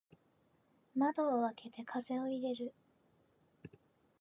窓を開けて風を入れる。